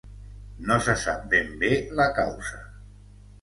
No se sap ben bé la causa.